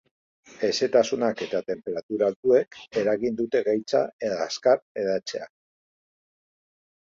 Hezetasunak eta tenperatura altuek eragin dute gaitza azkar hedatzea.